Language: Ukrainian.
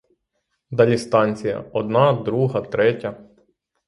Далі станція — одна, друга, третя.